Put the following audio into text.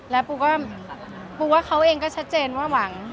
แล้วปูก็ปูว่าเขาเองก็ชัดเจนว่าหวัง